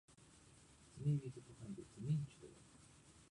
罪人と書いてつみんちゅと読む